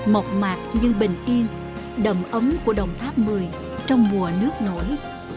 mọc mạc như bình yên đầm ấm của đồng tháp mười trong mùa nước nổi